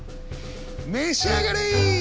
召し上がれ！